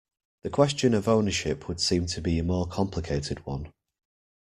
The question of ownership would seem to be a more complicated one.